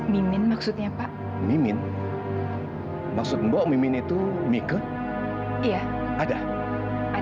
mimin maksudnya pak mimin maksud mbok mimin itu mike iya ada